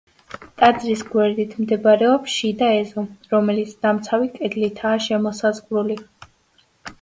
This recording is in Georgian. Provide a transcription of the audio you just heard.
ტაძრის გვერდით მდებარეობს შიდა ეზო, რომელიც დამცავი კედლითაა შემოსაზღვრული.